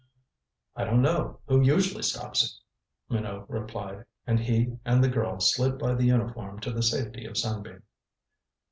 "I don't know who usually stops it?" Minot replied, and he and the girl slid by the uniform to the safety of Sunbeam.